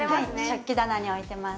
食器棚に置いてます